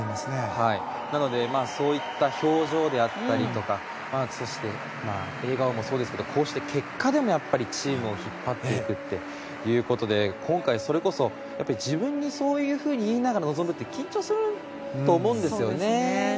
はい、なのでそういった表情であったりとかそして、笑顔もそうですがこうして結果でもチームを引っ張っていくということで今回、それこそ自分にそういうふうに言いながら臨むのは緊張すると思うんですよ。